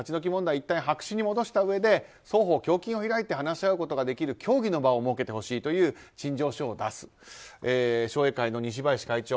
いったん白紙に戻したうえで双方、胸襟を開いて話し合うことができる協議の場を設けてほしいという陳情書を出す。商栄会の西林会長。